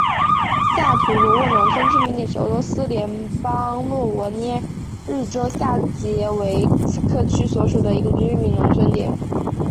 下图罗沃农村居民点是俄罗斯联邦沃罗涅日州下杰维茨克区所属的一个农村居民点。